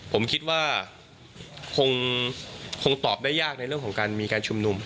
ผมคิดว่าคงตอบได้ยากในเรื่องของการมีการชุมนุม